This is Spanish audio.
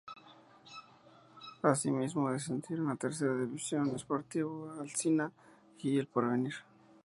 Asimismo descendieron a Tercera División Sportivo Alsina y El Porvenir.